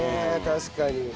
確かに。